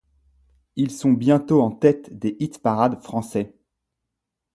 Ils sont bientôt en tête des hit-parades français.